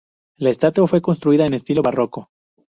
La estatua fue construida en estilo barroco.